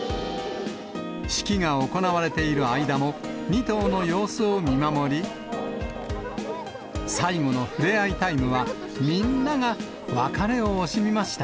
式が行われている間も、２頭の様子を見守り、最後の触れ合いタイムは、みんなが別れを惜しみました。